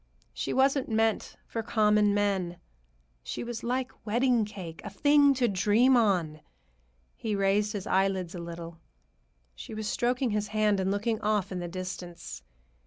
She wasn't meant for common men. She was like wedding cake, a thing to dream on. He raised his eyelids a little. She was stroking his hand and looking off into the distance.